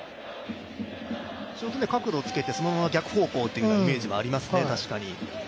角度をつけて逆方向というイメージがありますね。